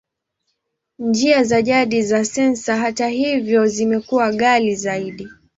Njia za jadi za sensa, hata hivyo, zimekuwa ghali zaidi.